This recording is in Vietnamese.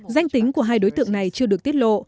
danh tính của hai đối tượng này chưa được tiết lộ